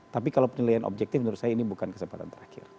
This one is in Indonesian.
tapi kalau penilaian objektif menurut saya ini bukan kesempatan terakhir